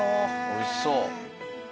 おいしそう。